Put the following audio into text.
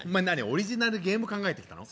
オリジナルゲーム考えてきたの？